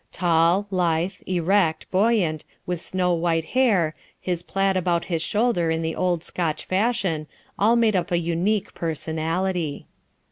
Tall, lithe, erect, buoyant, with snow white hair, his plaid about his shoulder in the old Scotch fashion, all made up a unique personality.